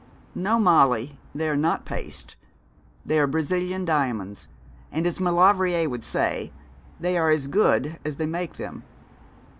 'No, Molly, they are not paste; they are Brazilian diamonds, and, as Maulevrier would say, they are as good as they make them.